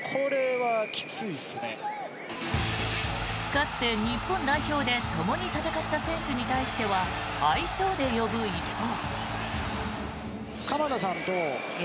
かつて日本代表でともに戦った選手に対しては愛称で呼ぶ一方。